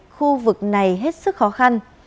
khu vực này hết sức khó khăn